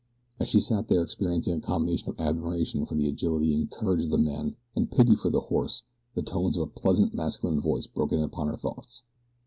As she sat there experiencing a combination of admiration for the agility and courage of the men and pity for the horse the tones of a pleasant masculine voice broke in upon her thoughts.